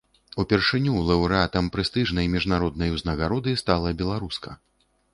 Упершыню лаўрэатам прэстыжнай міжнароднай узнагароды стала беларуска.